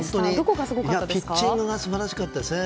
ピッチングが素晴らしかったですね。